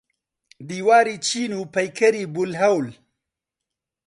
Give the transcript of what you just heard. دیواری چین و پەیکەری بولهەول.